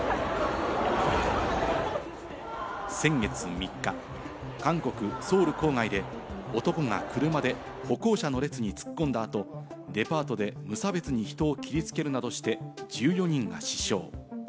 先月３日、韓国・ソウル郊外で男が車で歩行者の列に突っ込んだ後、デパートで無差別に人を切りつけるなどして１４人が死傷。